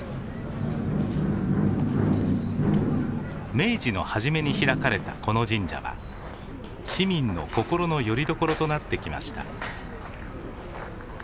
明治の初めに開かれたこの神社は市民の心のよりどころとなってきました。